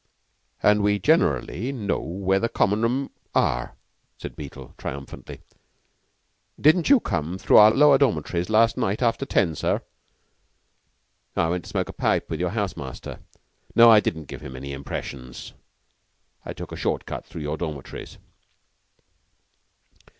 "And we generally know where the Common room are," said Beetle triumphantly. "Didn't you come through our lower dormitories last night after ten, sir?" "I went to smoke a pipe with your house master. No, I didn't give him any impressions. I took a short cut through your dormitories."